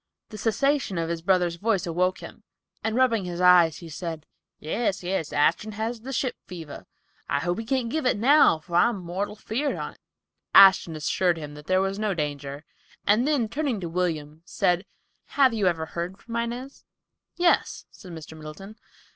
The cessation of his brother's voice awoke him, and rubbing his eyes he said, "Yes, yes, Ashton had the ship fever. I hope he can't give it now, for I'm mortal feared on't." Ashton assured him there was no danger, and then, turning to William, said, "Have you ever heard from Inez?" "Yes," said Mr. Middleton.